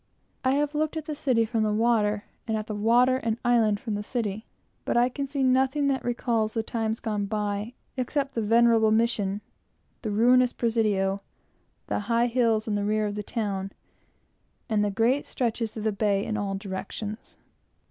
I have looked at the city from the water and islands from the city, but I can see nothing that recalls the times gone by, except the venerable Mission, the ruinous Presidio, the high hills in the rear of the town, and the great stretches of the bay in all directions.